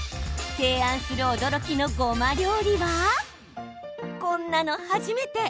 提案する驚きのごま料理はこんなの初めて！